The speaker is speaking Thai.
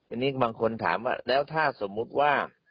อันนี้บางคนถามว่าแล้วถ้าสมมุติว่า